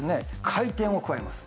回転を加えます。